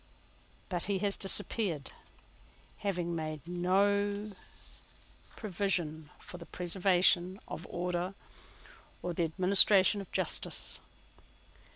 But he has disappeared, having made no provision for the preservation of order or the administration of justice.